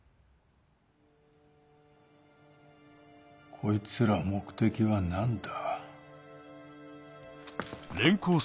こいつら目的は何だ？